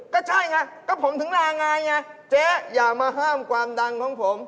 ก็ใช่ไงก็ผมถึงลางายไงเจ๊อย่ามาห้ามความดังของผม